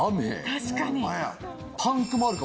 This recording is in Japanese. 確かに。